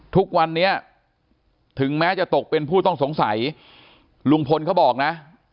ทุกวันนี้ถึงแม้จะตกเป็นผู้ต้องสงสัยลุงพลเขาบอกนะ